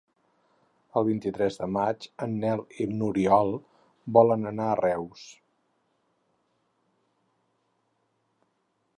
El vint-i-tres de maig en Nel i n'Oriol volen anar a Reus.